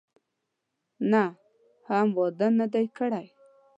نه، هم واده نه دی کړی.